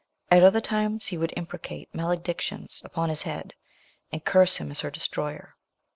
At other times he would imprecate maledictions upon his head, and curse him as her destroyer.